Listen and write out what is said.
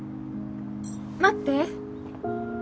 待って。